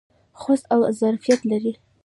خوست دا ظرفیت لري.